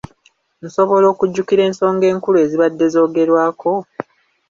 Nsobola okujjukira ensonga enkulu ezibadde zoogerwako?